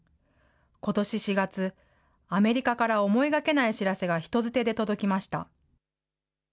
ことし４月、アメリカから思いがけない知らせが人づてで届きました。